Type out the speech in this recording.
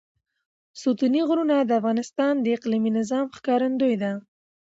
ستوني غرونه د افغانستان د اقلیمي نظام ښکارندوی ده.